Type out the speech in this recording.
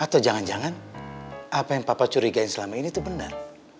atau jangan jangan apa yang papa curigai selama ini itu benar